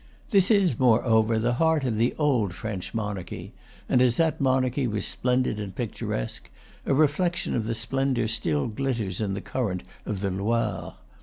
This is, moreover, the heart of the old French monarchy; and as that monarchy was splendid and picturesque, a reflection of the splen dor still glitters in the current of the Loire.